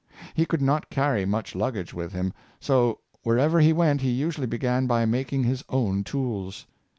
He could not carry much luggage with him ; so, wherever he went he usually began by making his own tools.